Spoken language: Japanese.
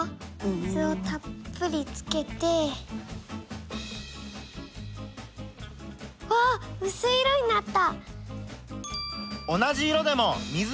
水をたっぷりつけて。わうすい色になった！